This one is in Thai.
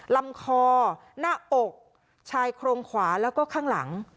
ลำคอหน้าอกชายโครงขวาแล้วก็ข้างหลัง